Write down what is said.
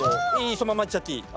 そのままいっちゃっていい。